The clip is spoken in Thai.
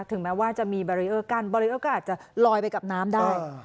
ถึงแม้ว่าจะมีบารีเออร์กั้นบารีเออร์ก็อาจจะลอยไปกับน้ำได้